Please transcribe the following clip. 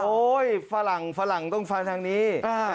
ฝรั่งฝรั่งต้องฟังทางนี้